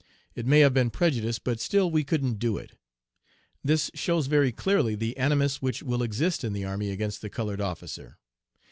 It may have been prejudice but still we couldn't do it.' This shows very clearly the animus which will exist in the army against the colored officer.